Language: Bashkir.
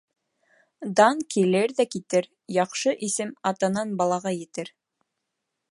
Дан килер ҙә китер, яҡшы исем атанан балаға етер.